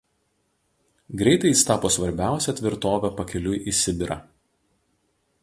Greitai jis tapo svarbiausia tvirtove pakeliui į Sibirą.